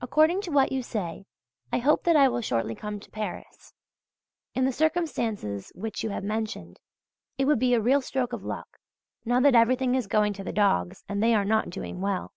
According to what you say, I hope that I will shortly come to Paris. In the circumstances which you have mentioned, it would be a real stroke of luck, now that everything is going to the dogs, and they are not doing well.